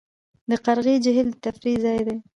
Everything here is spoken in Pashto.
د قرغې جهیل د تفریح ځای دی